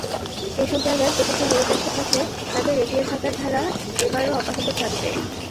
এসব জায়গায় প্রশাসন নিরপেক্ষ থাকলে তাঁদের এগিয়ে থাকার ধারা এবারও অব্যাহত থাকত।